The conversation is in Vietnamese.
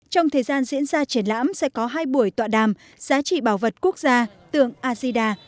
trong thời gian diễn ra triển lãm sẽ có hai buổi tọa đàm giá trị bảo vật quốc gia tượng azida